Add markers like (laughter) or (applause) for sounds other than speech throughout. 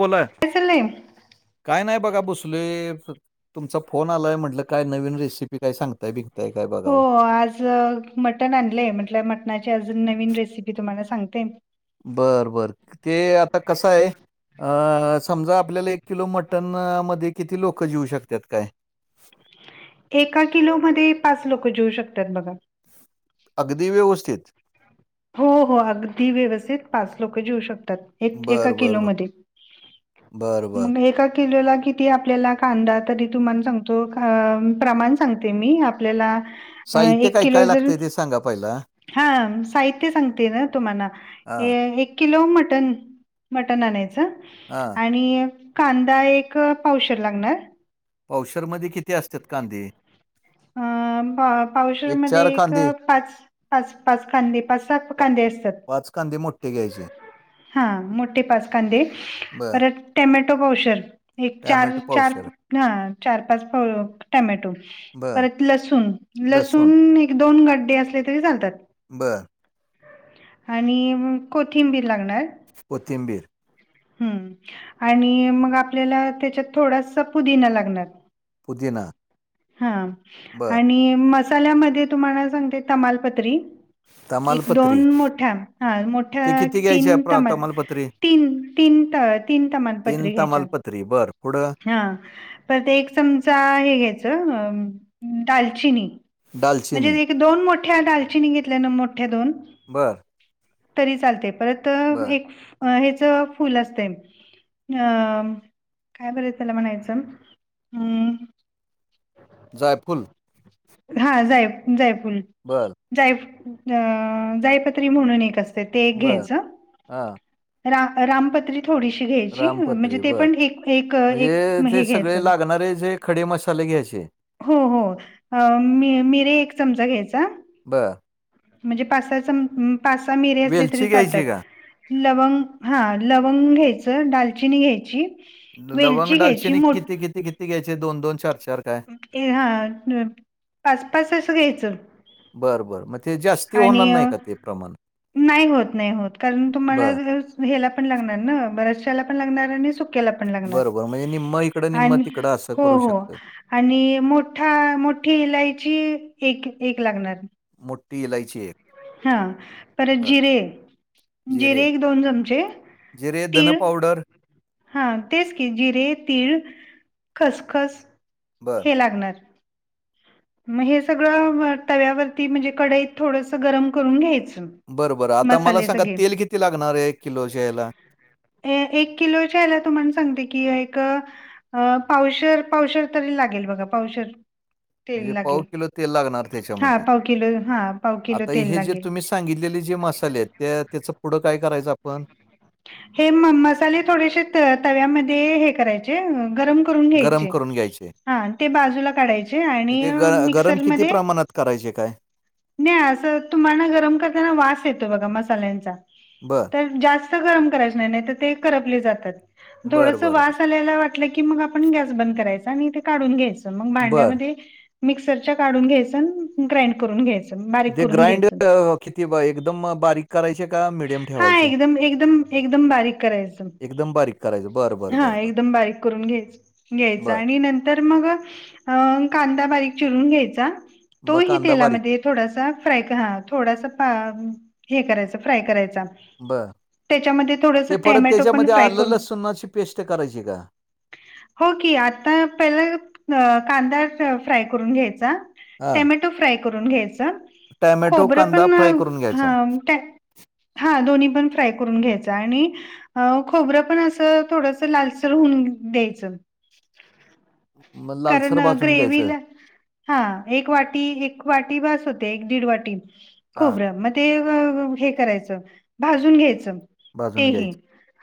बोला, काय चाललंय? काय नाही बघा बसलोय, तुमचा फोन आलाय म्हनलं काय नवीन रेसिपी काय सांगताय बिकघताय काय बघाव. च मटण आणलय म्हटल मटणाची अजून नवीन रेसिपी तुम्हाला सांगते. बर बर, ते आता कसं आहे, अ समजा आपल्याला एक किलो मटन मध्ये किती लोक जिऊ शकतात काय? एका किलो मध्ये पाच लोक जेऊ शकतात बघा. अगदी व्यवस्थित? हो हो अगदी व्यवस्थित पाच लोक जेऊ शकतात. एक - एका बर बर किलो बर मध्ये, बर बर मग एका किलोला किती आपल्याला कांदा तरी तुम्हाना सांगतो अ प्रमाण सांगते मी आपल्याला, साहित्य एक काय काय किलो जर लागतंय ते सांगा पहिला हा साहित्य सांगते ना तुम्हाना, हा ये एक किलो मटन, मटन आणायचं. आ. आणि कांदा एक पावशर लागणार. पावशेर मध्ये किती असत्यात कांदे? अ पा - पावशेर मध्ये चार एक कांदे पाच. पाच पाच कांदे पाच सहा पा- कांदे असतात. पाच कांदे मोेठे. हा मोठे पाच कांदे, बर परत टमॅटो पावशर. एक चार टॅमॅटो चार पावशर हा चार पाच फ टमॅटो. बर परत लसूण, लसूण एक दोन गड्डे असले तरी चालतात. बर. आणि म कोथिंबीर लागणार. कोथिंबीर. हम्, आणि मग आपल्याला त्याच्यात थोडासा पुदिना लागणार. पुदिना हा, बर आणि म मसाल्यामध्ये तुम्हाला सांगते तमालपत्री. एक तमालपत्री दोन मोठ्या, हा मोठ्या ते किती घ्यायची आहे तीन प्र- तमाल तमालपत्री तीन. तीन त- तीन तीन तमालपत्री घ्यायच्या. तमालपत्री बर पुढं हं, परत एक चमचा हे घ्यायचं दालचिनी. दालचिनी म्हणजे एक दोन मोठ्या दालचिनी घेतल्या ना मोठ्या दोन. बर तरी चालते परत बर एक हेच फुल असतय, अ म, काय बर त्याला म्हणायचं, अ जायफुल. हा जाय - जायफुल. बरं. जाय-अं जायपत्री म्हणून एक असते, ते एक बर घ्यायचं हा रा-रामपत्रि थोडीशी घ्यायची, म्हणजे रामपत्री ते बर पण ठिक म्हणजे एक-एक ते हे सगळे घ्यायचं. लागणारे जे खडे मसाले घ्यायचे. हो हो अं मी-मिरे एक चमचा घ्यायचा. बर. म्हणजे पासा चम पासा मीरे असले, तरी वेलची चालतात. घ्यायची का लवंग, हां लवंग घ्यायचं, दालचिनी घ्यायची. लवंग वेलची घ्यायची डालचीनी मोठ किती-किती-किती घ्यायची दोन-दोन चार-चार. (unintelligible) हा पाच-पाच असं घ्यायचं. बरं बरं म. आणि अं नाही होत, नाही होत कारण तुम्हाला बर जर ह्याला पण लागणार ना, बऱ्याचशला पण लागणार आणि सुख क्याला पण लागनार बर बर म्हणजे निम्म इकडं निम्म आणि तिकडं असं हो करू हो शकतं आणि मोठा-मोठी इलायची एक-एक लागणार. मोठी इलायची एक. हं परत बर जिरे, जिरे एक दोन चमचे जिरे धन पावडर हां तेच की, जिरे तीळ खसखस बर लागणार. म हे सगळं म तव्यावरती म्हणजे कडईत, थोडसं गरम करून घ्यायचं. बरं बरं आता मला मसाले सांगा सगळे तेल किती लागणार ये एक किलोच्या याला? ए-एक किलोच्या याला तुम्हाला सांगते कि, एक अ पावशर-पावशर तरी लागेल बघा पावशर. तेल म्हणजे पाऊ लागेल किलो तेल लागणार हा त्याच्यामध्ये, पाव किलो हा पाव किलो आता तेल हे जे लागेल तुम्ही सांगितलेले जे मसाले येत ते त्याच पुढं काय करायचं आपण? हे म-मसाले थोडेशे तव्यामध्ये हे करायचे, गरम करून गरम घ्यायचे, करून घ्यायचे. हां ते बाजूला काढायचे मग आणि ते ग गरम किती मिक्सरमध्ये प्रमाणात करायचे काय? नाही असं तुम्हाला गरम करताना वास येतो बघा मसाल्यांचा, बरं, तर जास्त स गरम करायचे नाय, नायतर ते करपले जातात, बरं, थोडंसं बरं, बरं. वास आलेलं वाट की म आपण गस बंद करायच आणि काढून घ्यायच मग बरं. भांड्यामध्ये मिक्सरच्या काढून घ्यायचं आणि ग्राइंड करून घ्यायचं. बारीक ते करून ग्राइंड घ्यायचं, अ, किती ब एकदम बारीक करायचे का मीडियम हा ठेवायचे? एकदम एकदम एकदम बारीक करायचं, एकदम बारीक करायचं. बरं, बरं, हा बरं, बरं. एकदम बारीक करून घ्याय- घ्यायच बरं. आणि नं तर मग कांदा बारीक चिरून घ्यायचा, तो मग ही कांदा बारीक. तेलामध्ये थोडासा फ्राय क् हं थोडासा फ हे करायच, फ्राय करायचा. बरं. त्याच्यामध्ये थोडंसं ते परत टॅमॅटो पण त्याच्यामध्ये फ्राय आलं करू लसूणाची पेस्ट करायची का? ओके आता पहिला कांदा फ्राय करून घ्यायचा हां. टॅमॅटो फ्राय करून घ्यायचा, टोमॅटो, खोबरं कांदा पण फ्राय करून घ्यायचा. हं त्या हां दोन्ही पण फ्राय करून घ्यायचा, आणि अं खोबरं पण असं थोडस लालसर होऊन द्यायचं मग कारण लालसर भाजून घ्यायचं ग्रेवीला हा एक वाटी, एक वाटी बास होते, एक दीड वाटी हा खोबरं म ते हे करायचं भाजूंन घ्यायचं ते भाजून ही घ्यायचं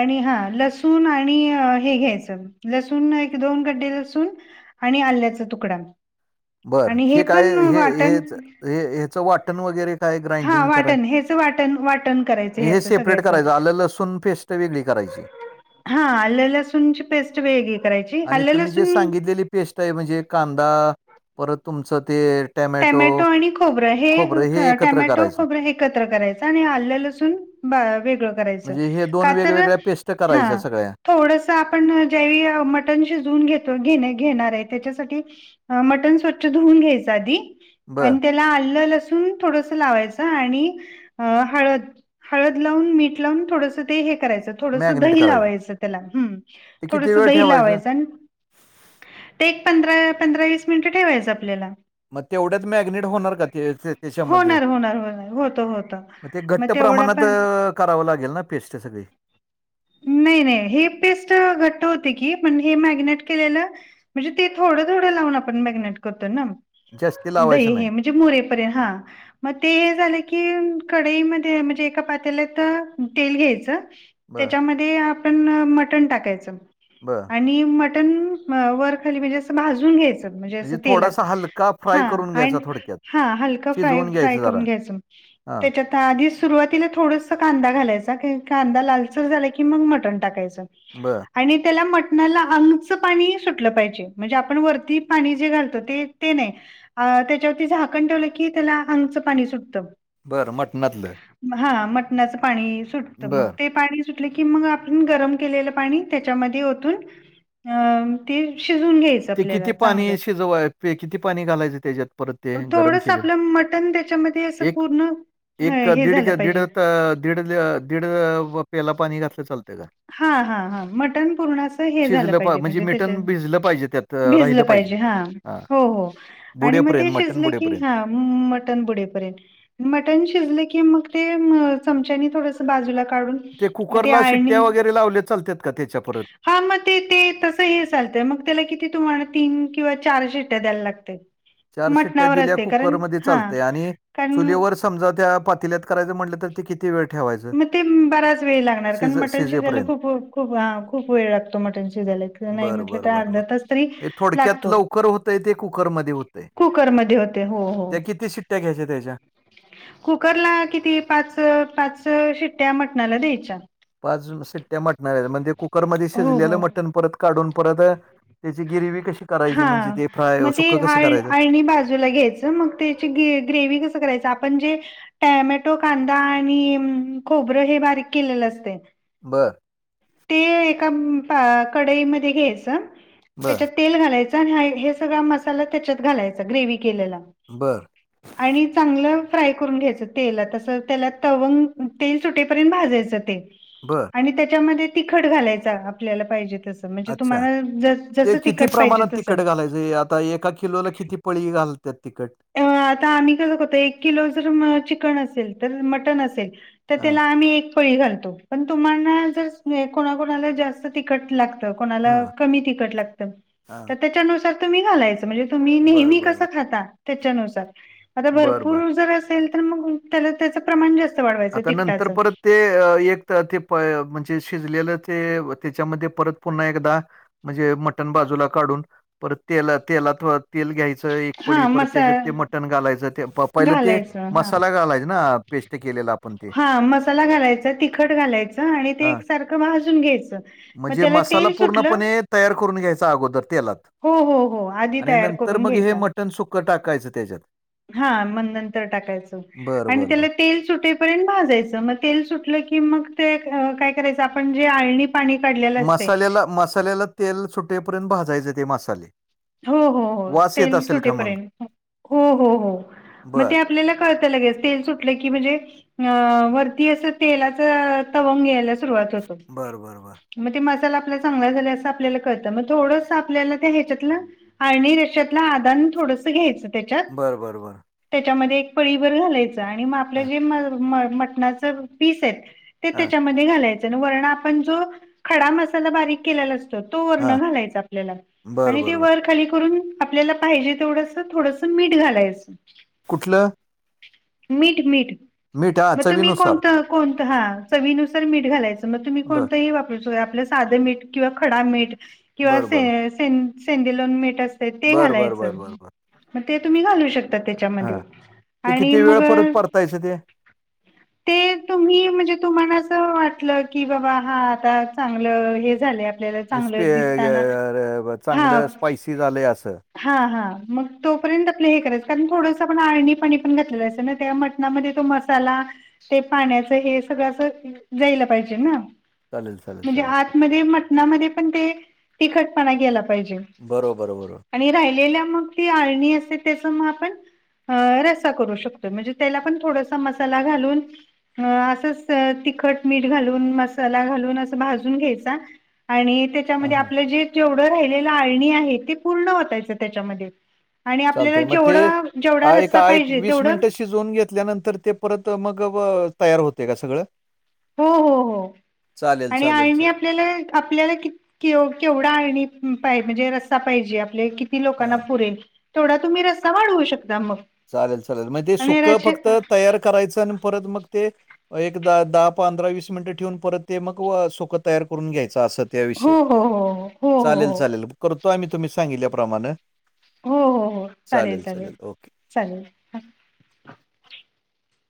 आणि हां लसूणं आणि हे घ्यायचं लसूणं एक दोन कड्डे लसूणं आणि आल्याच्या तुकडां बरं हे कायं हे हेचं वाटणं वगैरें कायं हां, ग्राइंडिंग वाटण करायचं ह्याचं वाटण वाटण करायचं हे ह्याचं सेपरेट सगळ्याचं. करायचं आलं लसूणं पेस्ट वेगळी करायची हां आल्ले लसूणंची पेस्ट वेगळी करायची आणि आल्ले तुम्ही जे लसूणं सांगितलेली पेस्ट आहे म्हणजे कांदा परतं तुमचं ते टॅमॅटो आणि खोबरं हे खोबरं हे एकत्र टॅमॅटो करायचं खोबरं एकत्रं करायचं आणि आल्यालसूनं बरं वेगळं करायचं म्हणजे हे दोन कां तरं वेगवेगळ्या पेस्ट करायच्या हां सगळ्या थोडंसं आपणं ज्यावे मटंण शिजवूंन घेतो घे घेणारं आहे त्यांच्यासाठी मटंन स्वच्छ धुऊन घ्यायचं आधी बरं त्यांला आलं लसूनं थोडंसं लावायचं आणि हळंद हळंद लावूंन मीठ लावूंन थोडंसं ते हे करायचं थोडंसं मॅग्नेट दही करायचं लावायचं त्यांला हं ते किती थोडंसं वेळ दही ठेवायचं लावायचं आणि ते एक पंधरा पंधरा वीस मिनिटं ठेवायचं आपल्यांला मंग तेवढ्यांच मॅग्नेट होणारं कां त्यांच्यामध्ये होणार होणार होणार होतं होतं मंग ते मग घट्ट तेवढा प्रमाणांत पण करावं लागेल नां पेस्ट सगळीं नाहीं नाहीं हे पेस्ट घट्ट होते की पणं हे मॅगिनेट केलेलं म्हणजे ते थोडं थोडं लावूंन आपणं मॅगनेट करतो नां जास्ती दही लावायचं नाही हे म्हणजे ते मुरेपर्यंत हां मंग ते हे झालं की कडाईमध्यें म्हणजे एकां पातेल्यात तरं तेल घ्यायचं बर त्यांच्यामध्ये आपणं मटंण टाकायचं बरं आणि मटंण वरं खाली म्हणजे असं भाजूंन घ्यायचं म्हणजे थोडासा हलका फ्राय करून घ्यायचा थोडक्यात हं हलकं फार करूंन घ्यायचं हां आंधी सुरुवातीला थोडंसं कांदा घालायंचा कांदा लालसर झालायं की मंग मटंन टाकायचं बर आणि त्यांला मटणांला अंगचं पाणी सुटलं पाहिजे म्हणजे आपणं वरती पाणी जे घालतो ते ते नाहीं अं त्यांच्यावरची झाहाकं ठेवलं की त्यांला आगचं पाणी सुटतं बरं मटणांतलं हां मटणाचं पाणी सुटतं मंग बर ते पाणी सुटले की मंग आपणं गरमं केलेलं पाणी त्यांच्यामध्ये ओतूंन अं ते शिजूंन घ्यायचं थोडसं ते तपलेलं किती चांगलं पाणी शिजवाय पे- किती पाणी घालायचं त्याच्यात परत ते गरम केलेलं थोडसं मटंण त्यांच्यामध्ये अं ते एक पूर्ण एक हे दीड झालं दीड पाहिजे दीड दीड प्याला पाणी घातलं चालतंय कां हां हां हां मटंण पुरणांच हे झालं शिजलं पा पाहिजे म्हणजे त्यांच्या मिटण भिजलं पाहिजे त्यात अ, भिजलं राहिलं पाहिजे हां हा हो आणि मंग बुडेपर्यंत मटण शिजलं की बुडेपर्यंत हां मटंन बुडेपर्यंत मटंण शिजले की मंग ते चमच्यांनी थोडंसं बाजूंला काढूंन ते कुकरला शिट्ट्या वगैरें लावल्यां चालतांत कां त्यांच्या परतं हां मंग ते ते तसं हे चालतंय मंग त्यांला किती तुम्हांला तीनं किंवा चार शिट्या द्यांयला लागतं चार शिट्ट्या दिल्यां कुकरमध्यें चालतंय आणि कारण चुलीवरं समजा त्यां पाातील्यांत करायचं म्हटलं तरं ते कीती कीती वेळं ठेवायं म ते बराच वेळ लागणार कारण मटन शिजाला शिजेपर्यंत खूप खूप खूप वेळ लागतो मटन शिजायला किवा नाही बरं म्हटलं तर बरं बरं अर्धा तास तरी लागतो. तरी ते कुकरमध्ये होतंय. कुकरमध्ये होतेय हो हो. त्या किती शिट्ट्या घ्यायच्या त्याच्या कुकरला किती पाच पाच शिट्ट्या मटणाला द्यायच्या. पाच शिट्ट्या मटणाला दयाच्या म ते कुकरमध्ये हो शिजलेलं हो मटण परत काढून परत त्याची गिरवी कशी करायची हा म्हणजे ते फ्राय मग ते सुकं कसं करायचं. (unintelligible) बाजूला घ्यायच. म त्याची ग्रे- ग्रेव कसं करायचं आपण जे टॅमॅटो, कांदा आणि खोबरं हे बारीक केलेलं असतय. बरं. ते एका पा - कडईमध्ये घ्यायचं बर त्याच्यात तेल घालायचं आणि हा हे सगळा मसाला त्याच्यात घालायचा ग्रेवही केलेला. बरं. आणि चांगलं फ्राय करून घ्यायचं तेला तस त्याला तवंग तेल सुटेपर्यंत भाजायचं ते. बरं. आणि त्याच्यामध्ये तिखट घालायचा आपल्याला पाहिजे तसं. म्हणजे अच्छा तुम्हाला ज-जस तिकट पाहिजे तसं. जे आता एका किलोला किती पळी घालत्यात तिकट. अ आता आम्ही कसं करतोय एक किलो जर चिकन असेल तर मटण असेल तर हां त्याला आम्ही एक पळी घालतो पण तुम्हाना जर कोणाकोणाला जास्त तिकट लाग त कोणाला हां कमी तिकट लागत, हां तर त्याच्या नुसार तुम्ही घालायचं म्हणजे तुम्ही नेहमी बरं कस बरं खाता त्याच्यानुसार, आता बरं, बरं. भरपूर जर असेल तर मग त्याला त्याच प्रमाण जास्त वाढवायचं आता नंतर तिकटाच. परत ते अ, एक तर ते प म्हणजे शिजलेलं ते त्याच्यामध्ये परत पुन्हा एकदा म्हणजे मटण बाजूला काढून, परत तेला- तेलात तेल घ्यायचं. एक पळी हा परत मसा त्याच्यात ते मटन घालायचं ते पहिलं ते घालायचं हा मसाला घालायच ना पेस्ट केलेला. आपण ते. हा मसाला घालायचा तिखट घालायचं आणि ते हां, एक सारखं भाजून घ्यायचं. म म्हणजे त्याला मसाला तेल सुटलं पूर्णपणे तयार करून घ्यायच अगोदर तेलात. हो हो हो आधी आणि तयार नंतर करून मग हे घ्यायचा. (unintelligible) टाकायचं त्याच्यात. हा मग नंतर टाकायचं, बरं, आणि बरं, त्याला बरं. तेल सुटे पर्यंत भाजायच म तेल सुटल की मग ते काय करायच आपण जे आळणी पाणी काढलेलं असतंय मसाल्याला मसाल्याला तेल सुटेपर्यंत भाजायचे ते मसाले. हो हो हो, वास येत तेल असेल का मग? सुटेपर्यंत, हो हो हो, म बरं, ते आपल्याला कळत लगेच तेल सुटलं की म्हणजे अ वरती असं तेलाच तवंग यायला सुरुवात होत. बरं, बरं, बरं. म ते मसाला आपला चांगाला झालय असं आपल्याला कळतं मग थोडंस आपल्याला त्या ह्याच्यातल आळणी रेषेतलं आदान थोडसं घ्यायचं त्याच्यात बरं बरं बरं. त्याच्यामध्ये एक पळीभर घालायचं आणि म आपलं हां जे म- म - मटणाच पीस आहेत. ते हां त्याच्यामध्ये घालायचं आणि वरण आपण जो, खडा मसाला बारीक केलेला अस तोरण हां घालायच आपल्याला बरं आणि ते बरं बरं वर्क खाली करून आपल्याला पाहिजे तेवढसं थोडस मीठ घालायच. कुठलं? मीठ मीठ मीठ हा मग तु्म्ही चवीनुसार कोणतं? कोणतं हा चवीनुसार मीठ घालायच मग तु्म्ही बरं कोणत ही वापरूस होय आपलंच साध मठ किंवा खडा मीठ किंवा बरं बरं से सें सेंदेलो मीठ अस त ते बरं बरं घालायचं बरं बरं बरं म ते तुम्ही घालू शकता. त त्याच्यामध्ये हां ते आणि किती मग वेळ परत परतायचं ते ते ते तुम्ही म्हणजे तुम्हाला अस वाटलं की बाबा हा आता चांगल हे झालय आ स्पे ग हा चांगलं स्पायसी झालंय असं. हा हा मग तोपर्यंत आपलं हे करायच कारण थोडंसं आपण आळणी पाणी पण घातलेलं असं ना तेंव्हा मग मटणामध्ये तो मसाला ते पाण्याच हे सगळ अस जायला पाहिजे ना. चालेल चालेल म्हणजे चालेल चालेल आतमध्ये मटणामध्ये पण ते तिखटपणा ग्याला पाहिजे बरोबरं बरोबर! आणि राहिलेल्या मग ती अळणी असते त्याच मग आपण ह रस्सा करू शकतो म्हणजे त्याला पण थोडासा मसाला घालून अ असंच तिखट मीठ घालून मसाला घालून अस भाजून घ्यायचा आणि ते हां त्याच्यामध्ये हां आपले जे जेवढं राहिलेले अळणी आहे ते पूर्ण ओतायचे त्याच्यामध्ये आणि आपल्याला चालतंय मग ते जेवढं जेवढा रस्ता पाहिजे तेवढं ते धुन घेतल्यानंतर ते परत मग तयार होते का सगळं? हो हो हो चालेल आणि चालेल आळणी च आ केलेले आपल्याला की केवढा आळणी पा म्हणजे रस्सा पाहिजे आपले की ती लोकांना हां पुरेल तेवढा तुम्ही रस्ता वाढ होऊ शकता मग चालेल चालेल मग ते आणि सुकं फक्त रस्सा तयार करायचं आणि परत मग ते एकदा दहा पंधरा वीस मिनिटं ठेवून परत ते मग सुख तयार करून घ्यायचं असत. त्या हो विषयी हो हो हो हो चालेल हो चालेल करतो आम्ही तुम्ही सांगितल्याप्रमाणे हो हो हो चालेल चालेल चालेल. हा.